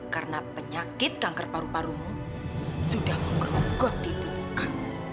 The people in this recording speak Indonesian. karena penyakit kanker paru parumu sudah menggerugot di dunia kamu